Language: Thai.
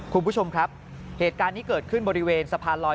คุณผู้ชมครับเหตุการณ์นี้เกิดขึ้นบริเวณสะพานลอย